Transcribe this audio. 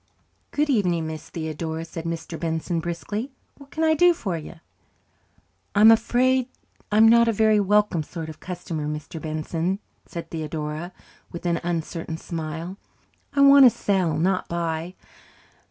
"Good evening, Miss Theodora," said Mr. Benson briskly. "What can I do for you?" "I'm afraid I'm not a very welcome sort of customer, Mr. Benson," said Theodora, with an uncertain smile. "I want to sell, not buy.